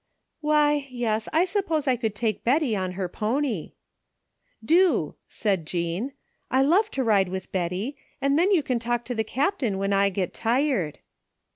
" Why, yes, I suppose I could take Betty on her pony." " Do," said Jean, " I love to ride with Betty, and then you can talk to the Captain when I get tired."